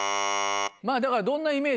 まぁだからどんなイメージ？